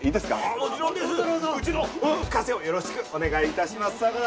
もちろんですうちの深瀬をよろしくお願いいたします